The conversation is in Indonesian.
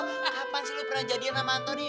kapan sih lu pernah jadian sama antoni